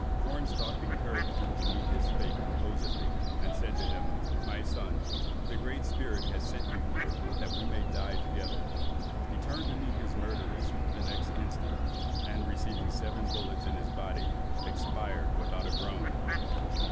Cornstalk encouraged him to meet hits fate composedly, and said to him, "My son, the Great Spirit has sent you here that we may die together!" He turned to meet his murderers the next instant, and receiving seven bullets in his body, expired without a groan.